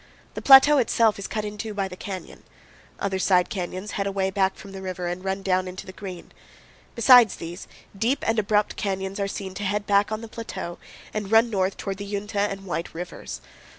The plateau itself is cut in two by the canyon. Other side canyons head away back from the river and run down into the Green. Besides these, deep and abrupt canyons are seen to head back on the plateau and run north toward the Uinta and White rivers.